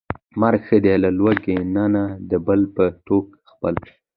مرګ ښه دى له لوږې نه، نه د بل په ټوک غپل